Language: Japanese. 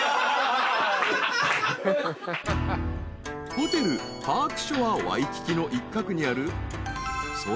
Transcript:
［ホテルパークショアワイキキの一角にある］